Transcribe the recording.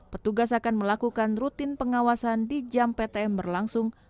petugas akan melakukan rutin pengawasan di jam ptm berlangsung